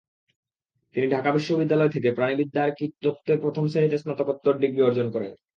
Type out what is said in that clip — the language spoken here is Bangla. তিনি ঢাকা বিশ্ববিদ্যালয় থেকে প্রাণিবিদ্যার কীটতত্ত্বে প্রথম শ্রেণিতে স্নাতকোত্তর ডিগ্রি অর্জন করেন।